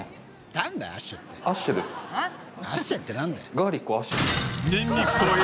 何だよ？